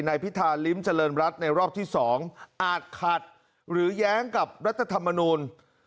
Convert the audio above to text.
พิธาลิ้มเจริญรัฐในรอบที่๒อาจขัดหรือแย้งกับรัฐธรรมนูล